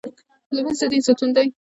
لمونځ د دین ستون دی